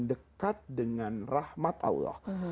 dekat dengan rahmat allah